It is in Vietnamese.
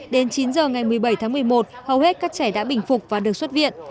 đến chín giờ ngày một mươi bảy tháng một mươi một hầu hết các trẻ đã bình phục và được xuất viện